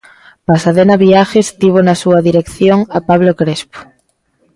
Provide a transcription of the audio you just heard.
Pasadena Viajes tivo na súa dirección a Pablo Crespo.